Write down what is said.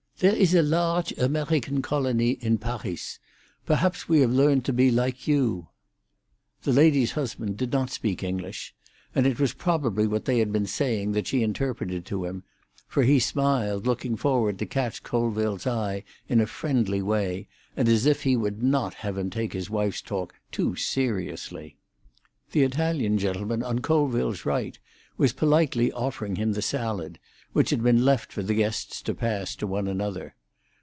"There is a large Amerhican colony in Parhis. Perhaps we have learned to be like you." The lady's husband did not speak English, and it was probably what they had been saying that she interpreted to him, for he smiled, looking forward to catch Colville's eye in a friendly way, and as if he would not have him take his wife's talk too seriously. The Italian gentleman on Colville's right was politely offering him the salad, which had been left for the guests to pass to one another.